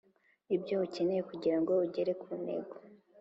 ibyo ukeneye kugirango ugere ku ntego